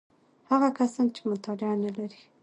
هغه کسان چې مطالعه نلري: